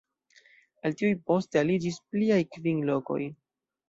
Al tiuj poste aliĝis pliaj kvin lokoj.